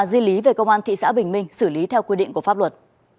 di lý về công an thị xã bình minh xử lý theo quy định của pháp luật